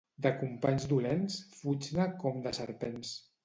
De companys dolents fuig-ne com de serpents.